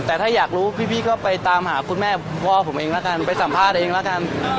แต่ถ้าอยากรู้พี่ก็ไปตามหาคุณแม่พ่อผมเองละกันไปสัมภาษณ์เองแล้วกัน